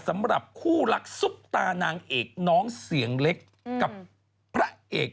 สำหรับคู่รักซุปตานางเอกน้องเสียงเล็กกับพระเอก